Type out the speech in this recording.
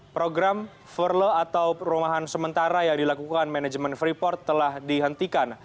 program forlo atau perumahan sementara yang dilakukan manajemen freeport telah dihentikan